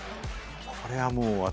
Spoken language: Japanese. これはもう私